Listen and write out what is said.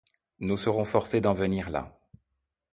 Nous serons forcés d’en venir là.